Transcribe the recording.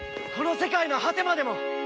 この世界の果てまでも！